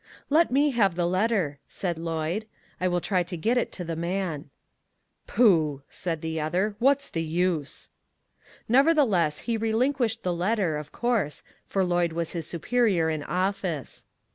" Let me have the letter," said Lloyd. " I will try and get it to the man." "Pooh! "said the other, "what's the use?" Nevertheless, he relinquished the letter, of course, for Lloyd was his superior in office.